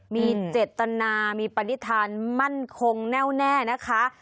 มีเจตนามีปฏิฐานมั่นคงแน่วแน่นะคะ